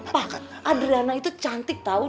pak adriana itu cantik tau